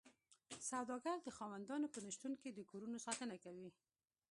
سوداګر د خاوندانو په نشتون کې د کورونو ساتنه کوي